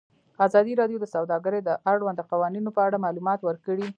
ازادي راډیو د سوداګري د اړونده قوانینو په اړه معلومات ورکړي.